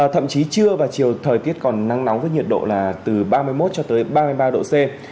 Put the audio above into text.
thậm chí trưa và chiều thời tiết còn nắng nóng với nhiệt độ là từ ba mươi một cho tới ba mươi ba độ c